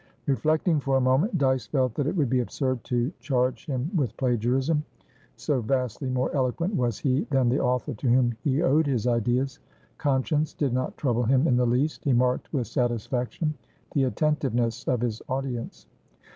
Reflecting for a moment, Dyce felt that it would be absurd to charge him with plagiarism, so vastly more eloquent was he than the author to whom he owed his ideas. Conscience did not trouble him in the least. He marked with satisfaction the attentiveness of his audience.